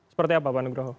seperti apa pak nugroho